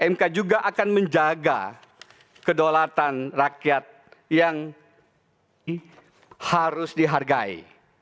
mk juga akan menjaga kedaulatan rakyat yang harus dihargai